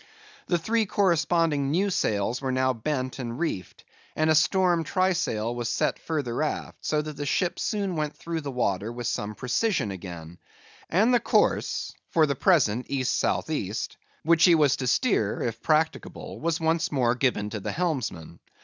The three corresponding new sails were now bent and reefed, and a storm trysail was set further aft; so that the ship soon went through the water with some precision again; and the course—for the present, East south east—which he was to steer, if practicable, was once more given to the helmsman.